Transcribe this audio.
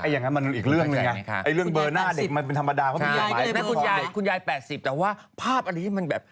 อย่างงั้นมันอีกเรื่องเลยไงนี่เรื่องเบลอหน้าเด็กมันมันบางคนคุณยาย๘๐แต่ว่าภาพอะไรที่มันแบบ